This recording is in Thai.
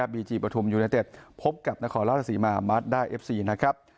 บีจีปฐุมยูเนเต็ดพบกับนครราชสีมามัดได้เอฟซีนะครับ